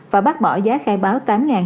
và bác bỏ giá khai báo